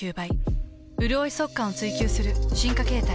うるおい速乾を追求する進化形態。